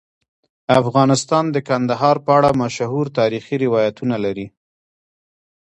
افغانستان د کندهار په اړه مشهور تاریخی روایتونه لري.